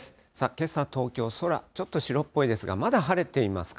けさ東京、空、ちょっと白っぽいですが、まだ晴れていますか。